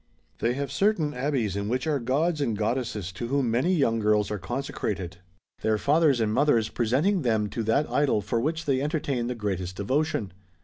^'' They have certain abbeys in which are gods and god desses to whom many young girls are consecrated ; their fathers and mothers presenting them to that idol for which they entertain the greatest devotion.